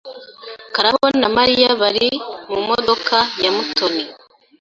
Karabo na Mariya bari mumodoka ya Mutoni.